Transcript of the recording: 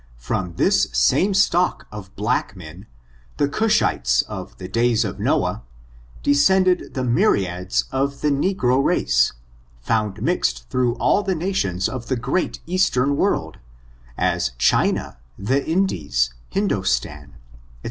From this same stock of black men, the Cusbites of the days of Noah, descended the myriads of the negro race, found mixed through all the nations of the great eastern world, as China, the Indies, Hindostan, &c.